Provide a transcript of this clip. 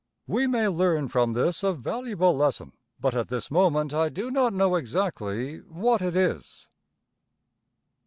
We may learn from this a valuable lesson, but at this moment I do not know exactly what it is.